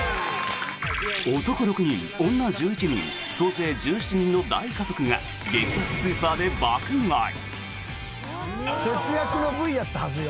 男６人、女１１人総勢１７人の大家族が激安スーパーで爆買い！